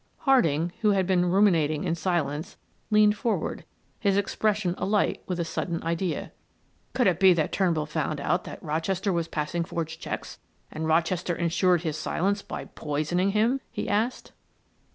Harding, who had been ruminating in silence, leaned forward, his expression alight with a sudden idea. "Could it be that Turnbull found out that Rochester was passing forged checks, and Rochester insured his silence by poisoning him?" he asked.